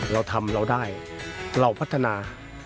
เราทำเราได้เราพัฒนา